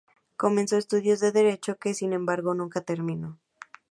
Comenzó estudios de Derecho, que sin embargo nunca terminó.